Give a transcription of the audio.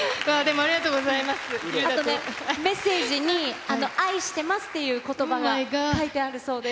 あとメッセージに、愛してますっていうことばが書いてあるそうです。